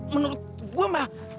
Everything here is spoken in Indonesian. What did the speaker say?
menurut gue mah